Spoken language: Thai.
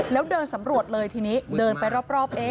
แล้วเดินสำรวจเลยทีนี้เดินไปรอบ